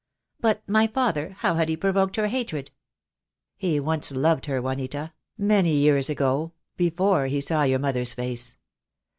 "But my father, how had be provoked her hatred?" "He once loved her, Juanita — many years ago — be fore he saw your mother's face.